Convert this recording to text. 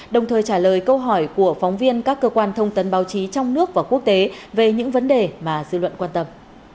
đồng thời trả lời câu hỏi của phóng viên các cơ quan thông tấn báo chí trong nước và quốc tế về những vấn đề mà dư luận quan tâm